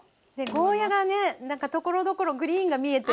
ゴーヤーがねなんかところどころグリーンが見えて。